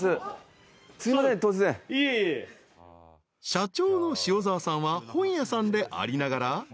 ［社長の塩澤さんは本屋さんでありながら］